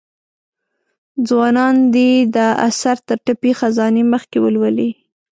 ځوانان دي دا اثر تر پټې خزانې مخکې ولولي.